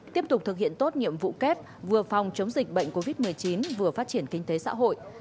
tiếp tục thực hiện tốt nhiệm vụ kép vừa phòng chống dịch bệnh covid một mươi chín vừa phát triển kinh tế xã hội